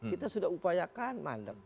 kita sudah upayakan mandek